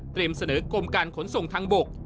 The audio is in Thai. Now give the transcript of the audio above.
เตรียมเสนอกลมการขนส่งทางบก